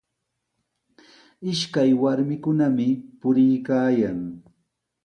Ishakaq warmikunami puriykaayan.